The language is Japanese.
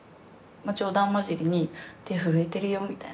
冗談交じりに手震えてるよみたいな。